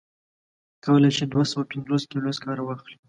کولای شي دوه سوه پنځوس کیلو سکاره واخلي.